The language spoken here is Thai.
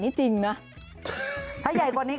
หนูเห็นมันเห็นหยิก